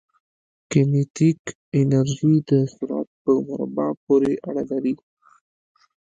کینیتیک انرژي د سرعت په مربع پورې اړه لري.